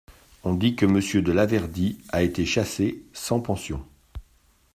On dit que Monsieur de Laverdy a été chassé sans pension.